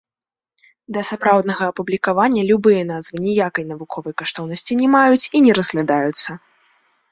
Да сапраўднага апублікавання любыя назвы ніякай навуковай каштоўнасці не маюць і не разглядаюцца.